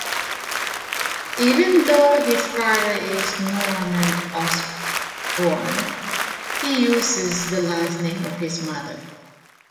Even though his father is “Norman Osborn”, he uses the last name of his mother.